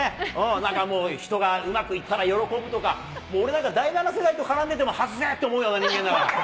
なんかもう、人がうまくいったら喜ぶとか、もう俺なんか、第７世代と絡んでても外せと思うような人間だから。